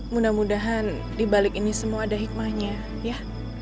mudah mudahan di balik ini semua ada hikmahnya ya